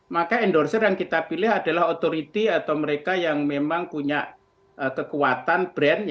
maka endorser yang kita pilih adalah authority atau mereka yang memang punya kekuatan brand